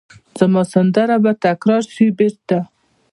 زما سندره به تکرار شي بیرته